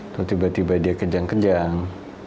atau tiba tiba dia kejang kejang